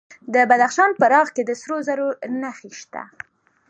د بدخشان په راغ کې د سرو زرو نښې شته.